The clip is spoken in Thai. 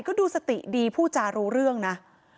ก็ดูสติดีผู้จารู้เรื่องนะ